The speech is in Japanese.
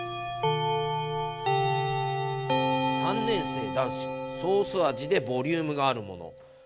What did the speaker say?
３年生男子ソース味でボリュームがあるもの。